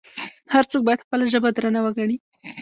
هر څوک باید خپله ژبه درنه وګڼي.